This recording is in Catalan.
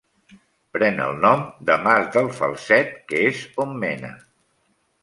Pren el nom del Mas de Falset, que és on mena.